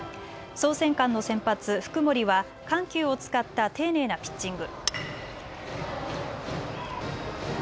創成館の先発、福盛は緩急を使った丁寧なピッチング。